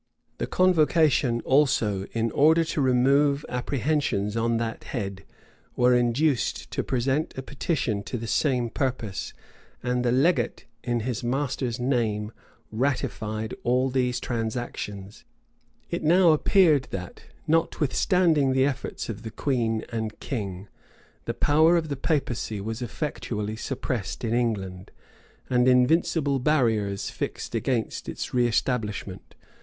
The convocation also, in order to remove apprehensions on that head, were induced to present a petition to the same purpose;[v] and the legate, in his master's name, ratified all these transactions. It now appeared that, notwithstanding the efforts of the queen and king, the power of the papacy was effectually suppressed in England, and invincible barriers fixed against its reëstablishment.